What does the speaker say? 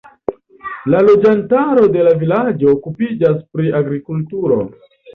La loĝantaro de la vilaĝo okupiĝas pri agrikulturo.